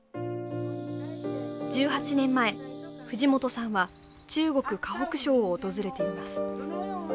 １８年前、藤本さんは中国河北省を訪れています。